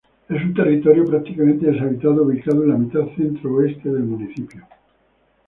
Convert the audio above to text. Es un territorio prácticamente deshabitado ubicado en la mitad centro oeste del municipio.